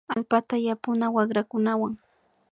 Allpata yapuna wakrakunawan